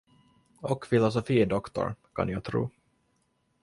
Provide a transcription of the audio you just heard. Och filosofie doktor, kan jag tro.